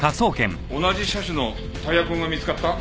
同じ車種のタイヤ痕が見つかった？